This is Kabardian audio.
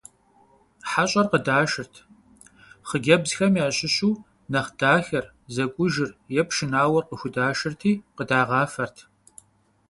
ХьэщӀэр къыдашырт. Хъыджбзхэм ящыщу нэхъ дахэр, зэкӀужыр е пшынауэр къыхудашырти, къыдагъафэрт.